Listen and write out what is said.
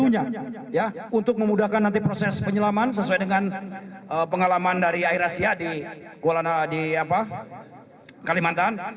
jadi ini masih titik jatuhnya untuk memudahkan nanti proses penyelaman sesuai dengan pengalaman dari air asia di kalimantan